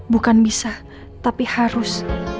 bukan bisa tapi harus